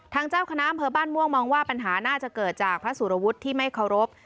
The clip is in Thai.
เจ้าคณะอำเภอบ้านม่วงมองว่าปัญหาน่าจะเกิดจากพระสุรวุฒิที่ไม่เคารพ